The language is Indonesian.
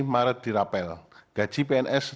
maret dirapel gaji pns